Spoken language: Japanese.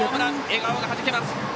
笑顔がはじけます。